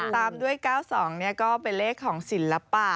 ตามด้วย๙๒ก็เป็นเลขของศิลปะ